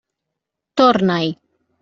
Torna-hi.